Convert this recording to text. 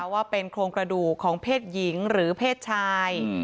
ว่าเป็นโครงกระดูกของเพศหญิงหรือเพศชาย